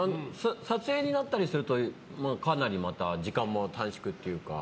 撮影になったりするとかなりまた時間も短縮っていうか。